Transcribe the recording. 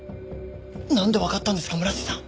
なんでわかったんですか村瀬さん。